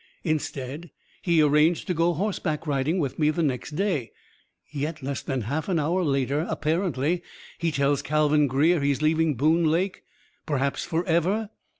Instead, he arranged to go horseback riding with me the next day. Yet less than half an hour later, apparently, he tells Calvin Greer he's leaving Boone Lake perhaps forever.